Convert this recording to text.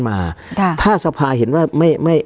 การแสดงความคิดเห็น